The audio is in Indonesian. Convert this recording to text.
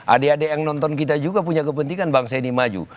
adik adik yang nonton kita juga punya kepentingan bangsa ini maju